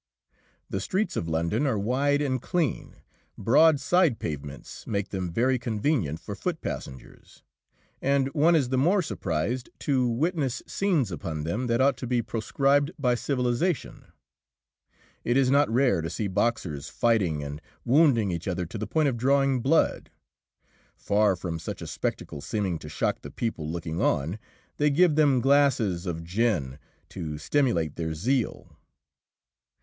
The streets of London are wide and clean. Broad side pavements make them very convenient for foot passengers, and one is the more surprised to witness scenes upon them that ought to be proscribed by civilisation. It is not rare to see boxers fighting and wounding each other to the point of drawing blood. Far from such a spectacle seeming to shock the people looking on, they give them glasses of gin to stimulate their zeal.